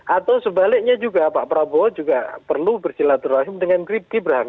atau sebaliknya juga pak prabowo juga perlu bersilaturahim dengan grip gibran